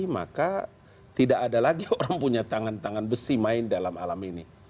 maka tidak ada lagi orang punya tangan tangan besi main dalam alam ini